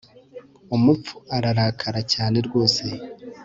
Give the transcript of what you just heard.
umupfu ararakara cyane rwose